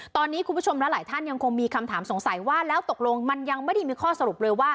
ตอนนี้คุณผู้ชมและหลายท่านยังคงมีคำถามสงสัยว่าแล้วตกลงมันยังไม่ได้มีข้อสรุปเลยว่า